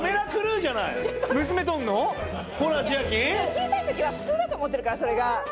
小さいときは普通だと思ってるからそれが。